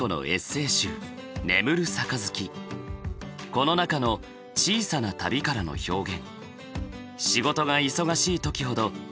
この中の「小さな旅」からの表現。